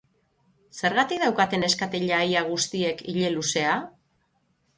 Zergatik daukate neskatila ia guztiek ile luzea?